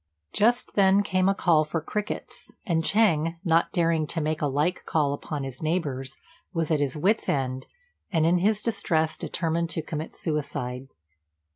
Just then came a call for crickets, and Ch'êng, not daring to make a like call upon his neighbours, was at his wits' end, and in his distress determined to commit suicide.